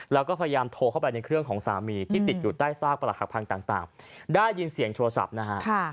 แล้วก็พยายามโทรเข้าไปในเครื่องของสามีที่ติดอยู่ใต้ซากประหลักหักพังต่างได้ยินเสียงโทรศัพท์นะฮะ